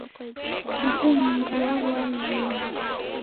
Uhu mndu walwale luma